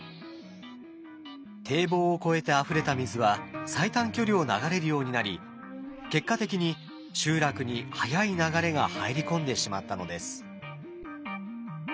堤防を越えてあふれた水は最短距離を流れるようになり結果的に集落に速い流れが入り込んでしまったのです。